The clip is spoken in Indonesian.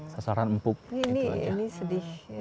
sasaran empuk ini sedih